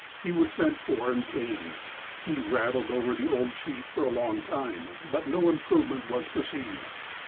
He was sent for, and came. He rattled over the old chief for a long time, but no im provement was perceived.